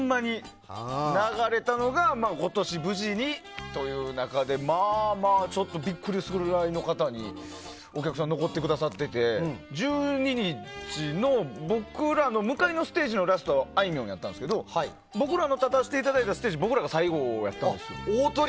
流れたのが今年、無事にという中でまあまあちょっとビックリするぐらいお客さん、残ってくださってて１２日の僕らの向かいのステージのラストがあいみょんだったんですけど僕らの立たせていただいたステージが最後やったんですよ。